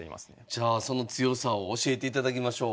じゃあその強さを教えていただきましょう。